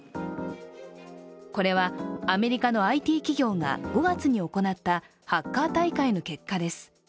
これはアメリカのＩＴ企業が５月に行ったハッカー大会の結果です。